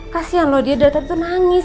kasian loh dia dari tadi nangis